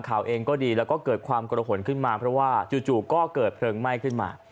ข่าวเองก็ดีแล้วก็เกิดความกระหนขึ้นมาเพราะว่าจู่ก็เกิดเพลิงไหม้ขึ้นมา